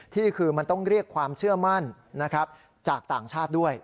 ที่คือมันต้องเรียกความเชื่อมั่นนะครับจากต่างชาติด้วย